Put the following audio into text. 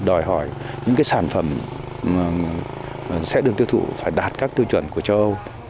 đòi hỏi những cái sản phẩm sẽ được tiêu thụ phải đạt các tiêu chuẩn của châu âu